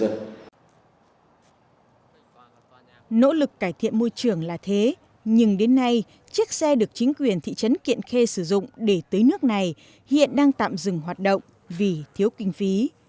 nỗ lực cải thiện môi trường là thế nhưng đến nay chiếc xe được chính quyền thị trấn kiện khê sử dụng để tưới nước này hiện đang tạm dừng hoạt động vì thiếu kinh phí